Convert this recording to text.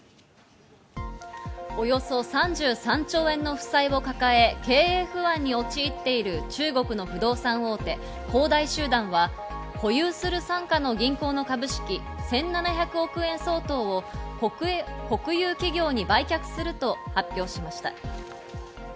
およそ３３兆円の負債を抱え経営不安に陥っている中国の不動産大手・恒大集団は保有する傘下の銀行の株式１７００億円相当を国有企業に売却すると発表しました。